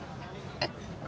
えっ？